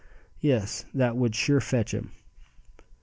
Yes, that would sure fetch him."